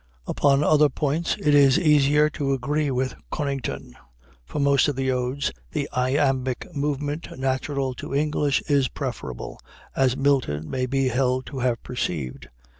Upon other points it is easier to agree with Conington. For most of the odes the iambic movement natural to English is preferable, as Milton may be held to have perceived.